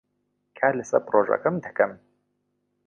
کار لەسەر پرۆژەکەم دەکەم.